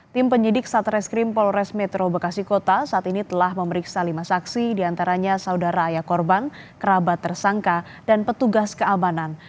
tim penyidik satreskrim polres metro bekasi kota saat ini telah memeriksa lima saksi diantaranya saudara ayah korban kerabat tersangka dan petugas keamanan